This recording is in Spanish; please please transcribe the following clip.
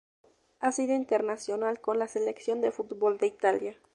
Ha sido internacional con la Selección de fútbol de Italia.